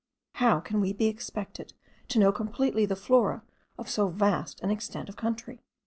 How can we be expected to know completely the flora of so vast an extent of country?